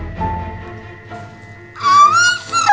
jangan sampai kedengeran